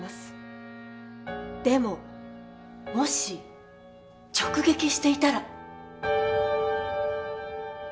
でももし直撃していたら。